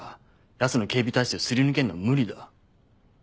ヤツの警備体制をすり抜けるのは無理だ。